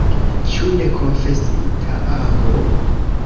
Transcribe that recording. Ĉu nekonfesita amo?